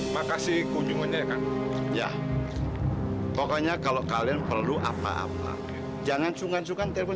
makasih kunjungannya kan ya pokoknya kalau kalian perlu apa apa jangan sungkan sungkan telepon